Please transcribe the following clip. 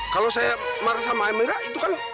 kalau saya marah sama emirat itu kan